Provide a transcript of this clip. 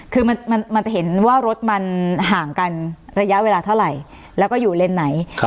คือมันจะเห็นว่ารถมันห่างกันระยะเวลาเท่าไหร่แล้วก็อยู่เลนส์ไหน